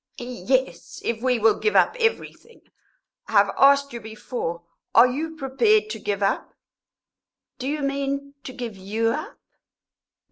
"Yes, if we will give up everything. I have asked you before are you prepared to give up?" "Do you mean, to give you up?"